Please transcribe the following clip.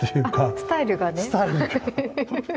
スタイルが。